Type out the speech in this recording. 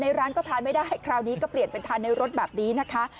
ร้านก็ทานไม่ได้คราวนี้ก็เปลี่ยนเป็นทานในรถแบบนี้นะคะ